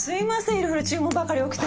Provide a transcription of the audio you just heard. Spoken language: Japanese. いろいろ注文ばかり多くて。